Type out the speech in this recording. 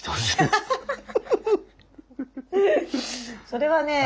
それはね